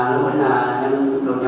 khi bà văn thắng lên kế hoạch